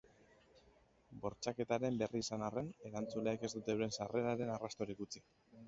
Bortxaketaren berri izan arren, erantzuleek ez dute euren sarreraren arrastorik utzi.